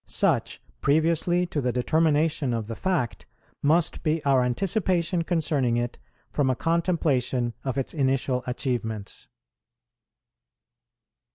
Such previously to the determination of the fact, must be our anticipation concerning it from a contemplation of its initial achievements.